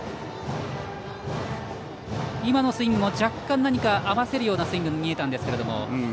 今のスイングも若干合わせるようなスイングに見えたんですけども。